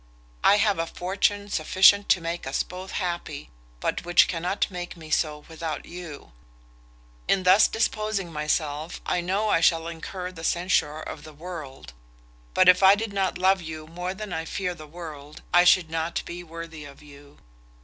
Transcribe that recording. I have a fortune sufficient to make us both happy, but which cannot make me so without you. In thus disposing of myself, I know I shall incur the censure of the world; but if I did not love you more than I fear the world, I should not be worthy of you.